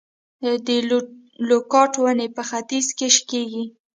د لوکاټ ونې په ختیځ کې کیږي؟